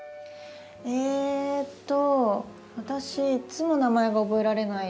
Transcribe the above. えっと私いつも名前が覚えられない。